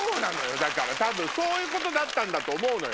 だから多分そういうことだったと思うのよ。